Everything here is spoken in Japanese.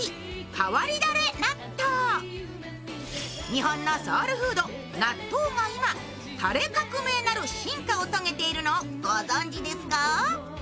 日本のソウルフード納豆が今、たれ革命なる進化を遂げているのを、ご存じですか？